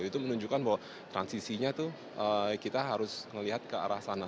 itu menunjukkan bahwa transisinya itu kita harus melihat ke arah sana